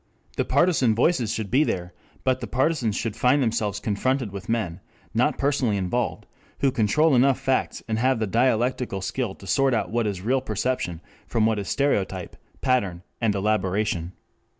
The partisan voices should be there, but the partisans should find themselves confronted with men, not personally involved, who control enough facts and have the dialectical skill to sort out what is real perception from what is stereotype, pattern and elaboration.